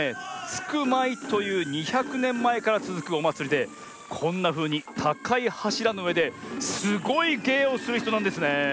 「つくまい」という２００ねんまえからつづくおまつりでこんなふうにたかいはしらのうえですごいげいをするひとなんですねえ。